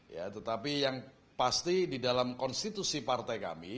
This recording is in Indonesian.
ya tetapi yang pasti di dalam konstitusi partai kami